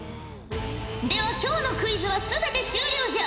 では今日のクイズは全て終了じゃ。